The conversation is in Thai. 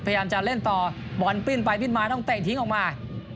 พยายามจะเล่นต่อบอลปิ้นไปปิ้นมาต้องเตะทิ้งออกมา